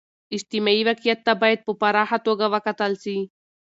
اجتماعي واقعیت ته باید په پراخه توګه و کتل سي.